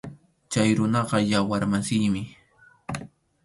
Chay runaqa yawar masiymi.